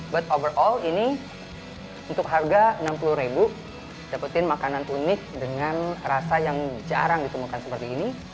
but overall ini untuk harga rp enam puluh dapetin makanan unik dengan rasa yang jarang ditemukan seperti ini